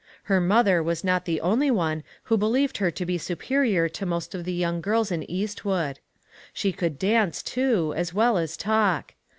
Her mother was not the only one who believed her to be superior to most of the young girls in Eastwood. She could dance, too, as well as talk.